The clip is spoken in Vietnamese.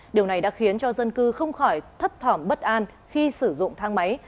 điều này đã khiến cho dân cư không khỏi thấp thỏm bất an khi sử dụng thang máy